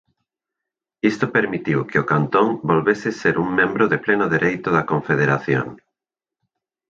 Isto permitiu que o cantón volvese ser un membro de pleno dereito da Confederación.